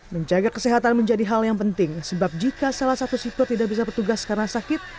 menjaga kesehatan menjadi hal yang penting sebab jika salah satu sipir tidak bisa petugas karena sakit